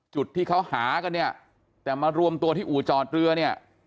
จุดที่เขาหากันเนี่ยแต่มารวมตัวที่อู่จอดเรือเนี่ย